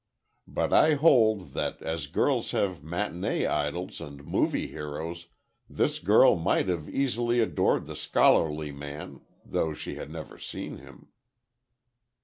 But I hold that as girls have matinee idols and movie heroes, this girl might easily have adored the scholarly man, though she had never seen him."